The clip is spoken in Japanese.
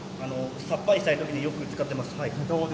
さっぱりしたいときによく使ってます。